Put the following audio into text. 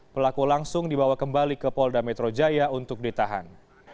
pelaku langsung dibawa kembali ke polda metro jaya untuk ditahan